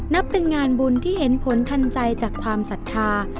นับเป็นงานบุญที่เห็นผลทันใจจากความศรัทธา